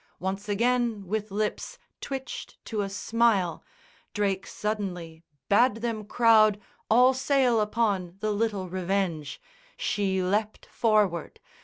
Once again with lips Twitched to a smile, Drake suddenly bade them crowd All sail upon the little Revenge. She leapt Forward.